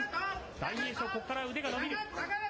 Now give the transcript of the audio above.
大栄翔、ここから腕が伸びる。